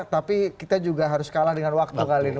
tapi kita juga harus kalah dengan waktu kali ini